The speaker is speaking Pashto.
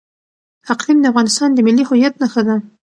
اقلیم د افغانستان د ملي هویت نښه ده.